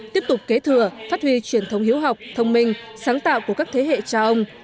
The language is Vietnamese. tiếp tục kế thừa phát huy truyền thống hiếu học thông minh sáng tạo của các thế hệ cha ông